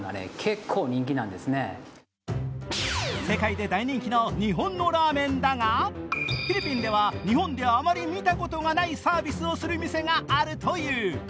世界で大人気の日本のラーメンだが、フィリピンでは日本であまり見たことない、サービスをする店があるという。